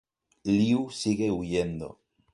Liu sigue huyendo.